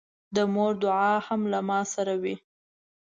د مور دعا هم له ما سره وي.